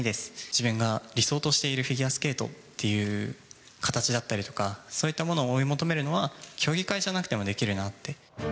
自分が理想としているフィギュアスケートという形だったりとか、そういったものを追い求めるのは、競技会じゃなくてもできるなって。